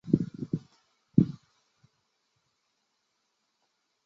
筹备委员会与中央手工业管理局合署办公。